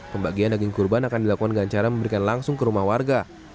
pembagian daging kurban akan dilakukan dengan cara memberikan langsung ke rumah warga